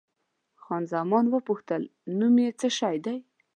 خان زمان وپوښتل، نوم یې څه شی دی؟